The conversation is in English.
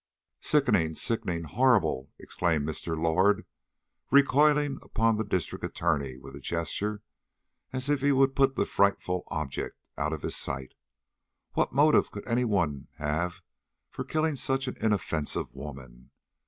"Sickening, sickening! horrible!" exclaimed Mr. Lord, recoiling upon the District Attorney with a gesture, as if he would put the frightful object out of his sight. "What motive could any one have for killing such an inoffensive woman?